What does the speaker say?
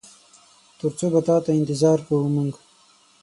تر څو به تاته انتظار کوو مونږ؟